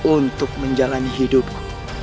untuk menjalani hidupku